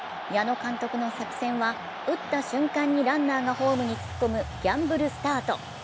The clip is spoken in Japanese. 矢野監督の作戦は打った瞬間にランナーがホームに突っ込むギャンブルスタート。